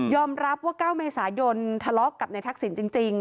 ยอมรับว่าเก้าเมษายนทะเลาะกับนายทักศิลป์จริง